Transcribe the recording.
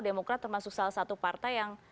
demokrat termasuk salah satu partai yang